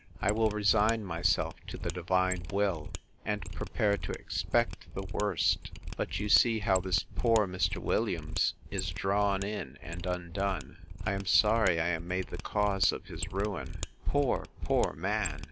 I will resign myself to the Divine will, and prepare to expect the worst. But you see how this poor Mr. Williams is drawn in and undone: I am sorry I am made the cause of his ruin. Poor, poor man!